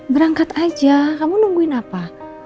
berangkat aja kamu nungguin apa